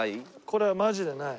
これはマジでない。